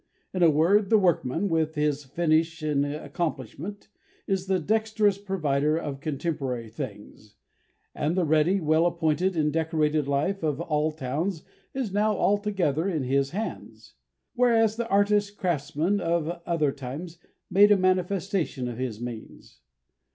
In a word, the workman, with his finish and accomplishment, is the dexterous provider of contemporary things; and the ready, well appointed, and decorated life of all towns is now altogether in his hands; whereas the artist craftsman of other times made a manifestation of his means.